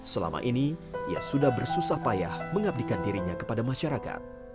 selama ini ia sudah bersusah payah mengabdikan dirinya kepada masyarakat